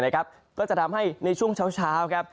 ก็จะทำให้ในช่วงเช้าครับ